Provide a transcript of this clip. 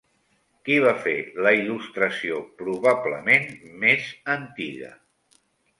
Qui va fer la il·lustració probablement més antiga?